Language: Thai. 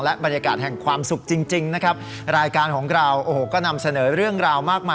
บรรยากาศแห่งความสุขจริงจริงนะครับรายการของเราโอ้โหก็นำเสนอเรื่องราวมากมาย